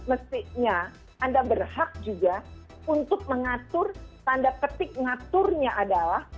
mestinya anda berhak juga untuk mengatur tanda petik ngaturnya adalah